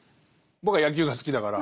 僕は野球が好きだから。